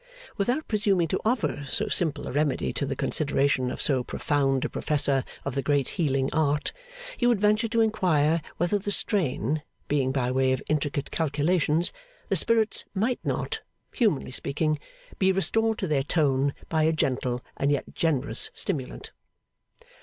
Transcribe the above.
Without presuming to offer so simple a remedy to the consideration of so profound a professor of the great healing art, he would venture to inquire whether the strain, being by way of intricate calculations, the spirits might not (humanly speaking) be restored to their tone by a gentle and yet generous stimulant?